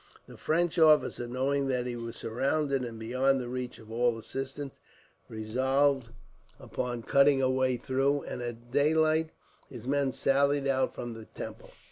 The French officer, knowing that he was surrounded, and beyond the reach of all assistance, resolved upon cutting a way through, and at daylight his men sallied out from the temple.